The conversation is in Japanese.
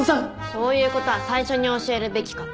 そういう事は最初に教えるべきかと。